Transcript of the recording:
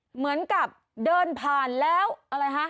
เหมือนกับเดินผ่านแล้วอะไรฮะ